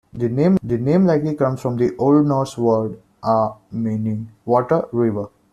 The name likely comes from the Old Norse word "aa", meaning 'water, river'.